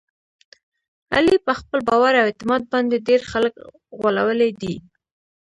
علي په خپل باور او اعتماد باندې ډېر خلک غولولي دي.